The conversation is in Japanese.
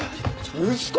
息子！？